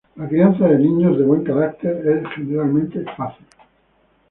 La crianza de niños de buen carácter es generalmente fácil.